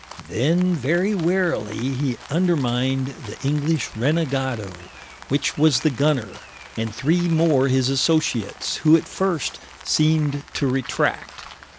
Then very warily he undermined the English Renegado, which was the Gunner, and three more his Associats, who at first seemed to retract.